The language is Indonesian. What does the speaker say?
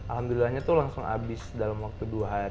alhamdulillahnya itu langsung habis dalam waktu dua hari